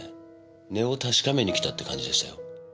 値を確かめに来たって感じでしたよ。